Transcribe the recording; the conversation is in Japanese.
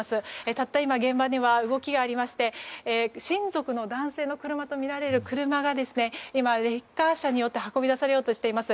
たった今、現場では動きがありまして親族の男性のものとみられる車が今レッカー車によって運び出されようとしています。